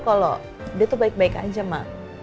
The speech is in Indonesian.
kalo dia tuh baik baik aja ma